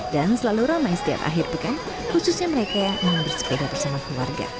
dan selalu ramai setiap akhir pekan khususnya mereka yang bersepeda bersama keluarga